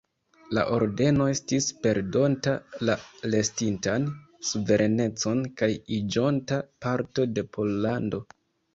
La Ordeno estis perdonta la restintan suverenecon kaj iĝonta parto de Pollando.